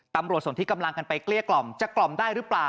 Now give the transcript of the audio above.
ตำรวจส่วนที่กำลังกันไปเกลี้ยกล่อมจะกล่อมได้หรือเปล่า